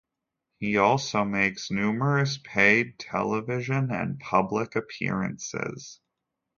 He also makes numerous paid television and public appearances.